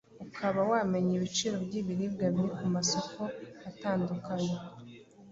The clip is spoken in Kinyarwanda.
ukaba wamenya ibiciro by’ibiribwa biri ku masoko atandukanye.